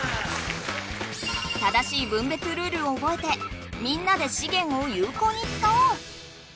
正しい分別ルールをおぼえてみんなでしげんをゆうこうに使おう！